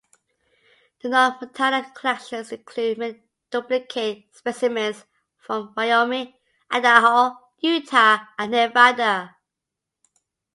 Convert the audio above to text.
The non-Montana collections include many duplicate specimens from Wyoming, Idaho, Utah and Nevada.